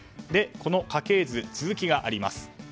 この家系図には続きがあります。